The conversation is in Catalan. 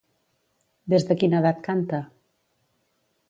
Des de quina edat canta?